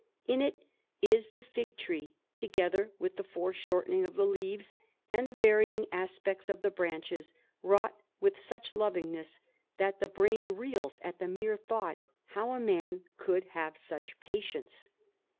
In it is the fig tree, together with the foreshortening of the leaves and the varying aspects of the branches, wrought with such lovingness that the brain reels at the mere thought how a man could have such patience.